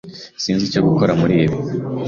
Sinzi icyo gukora muri ibi.